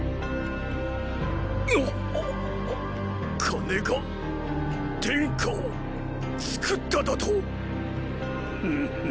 ⁉金が天下を作っただと⁉フッフ。